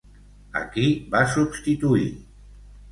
A qui va substituir?